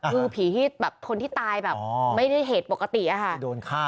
คือผีที่แบบคนที่ตายแบบไม่ได้เหตุปกติอะค่ะ